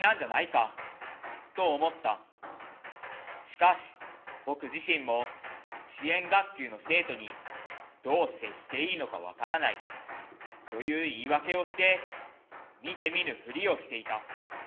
しかし僕自身も支援学級の生徒にどう接していいのか分からないという言い訳をして見て見ぬふりをしていた。